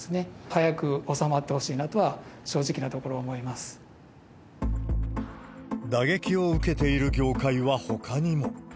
早く収まってほしいなとは、正直なところ、打撃を受けている業界はほかにも。